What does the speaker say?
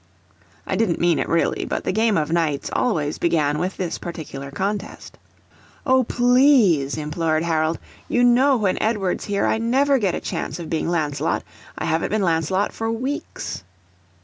I didn't mean it really, but the game of Knights always began with this particular contest. "O PLEASE," implored Harold. "You know when Edward's here I never get a chance of being Lancelot. I haven't been Lancelot for weeks!"